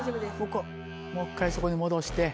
もう１回そこに戻して。